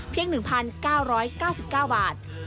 เพียง๑๙๙๙บาท